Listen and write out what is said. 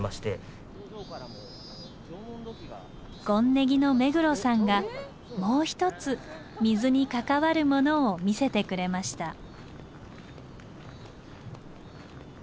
権禰宜の目黒さんがもう一つ水に関わるものを見せてくれました。